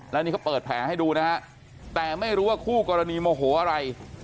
แล้วนี่เขาเปิดแผลให้ดูนะฮะแต่ไม่รู้ว่าคู่กรณีโมโหอะไร